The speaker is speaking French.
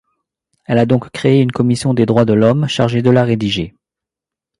Elle a donc créé une Commission des droits de l'homme, chargée de la rédiger.